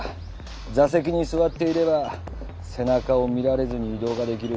座席に座っていれば背中を見られずに移動ができる。